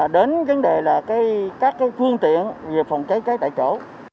đến vấn đề là các cái khuôn tiện về phòng cháy cháy tại chỗ